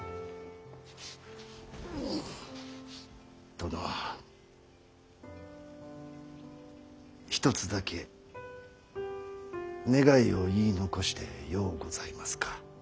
殿一つだけ願いを言い残してようございますか。